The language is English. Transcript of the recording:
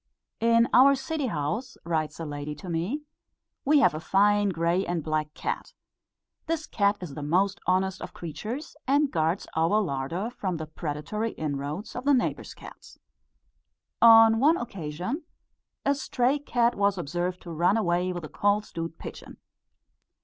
"In our city house," writes a lady to me, "we have a fine grey and black cat. This cat is the most honest of creatures, and guards our larder from the predatory inroads of the neighbour's cats. On one occasion a stray cat was observed to run away with a cold stewed pigeon.